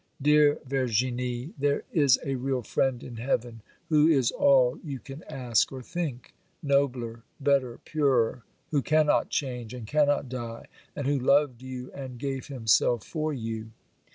'Dear Verginie, there is a real friend in heaven, who is all you can ask or think,—nobler, better, purer, who cannot change, and cannot die, and who loved you and gave himself for you.